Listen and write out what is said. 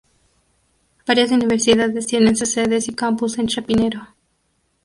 Varias universidades tienen sus sedes y campus en Chapinero.